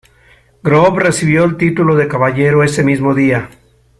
Grove recibió el título de caballero ese mismo día.